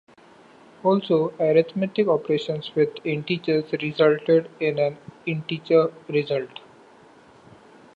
Also, arithmetic operations with integers resulted in an integer result.